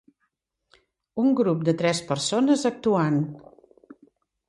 Un grup de tres persones actuant.